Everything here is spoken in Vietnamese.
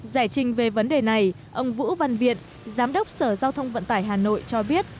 giải trình về vấn đề này ông vũ văn viện giám đốc sở giao thông vận tải hà nội cho biết